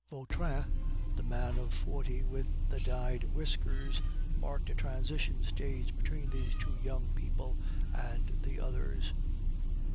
Vautrin (the man of forty with the dyed whiskers) marked a transition stage between these two young people and the others.